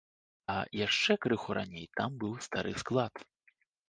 А яшчэ крыху раней там быў стары склад.